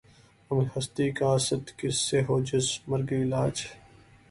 غم ہستی کا اسدؔ کس سے ہو جز مرگ علاج